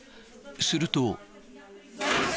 すると。